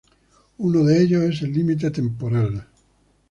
uno de ellos es el límite temporal